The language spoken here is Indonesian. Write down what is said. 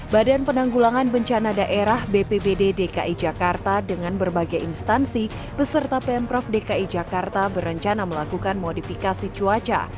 badan penanggulangan bencana daerah bpbd dki jakarta dengan berbagai instansi beserta pemprov dki jakarta berencana melakukan modifikasi cuaca